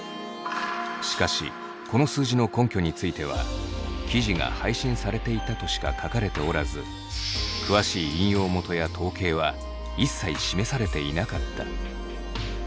しかしこの数字の根拠については「記事が配信されていた」としか書かれておらず詳しい引用元や統計は一切示されていなかった。